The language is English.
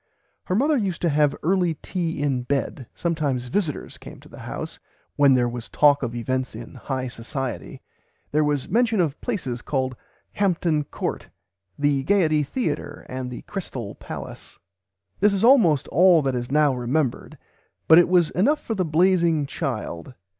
Her mother used to have early tea in bed; sometimes visitors came to the house, when there was talk of events in high society: there was mention of places called Hampton Court, the Gaiety Theatre and the "Crystale" Palace. This is almost all that is now remembered, but it was enough for the blazing child.